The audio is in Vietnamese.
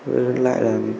với lại là